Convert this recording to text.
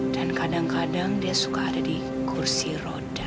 dan kadang kadang dia suka ada di kursi roda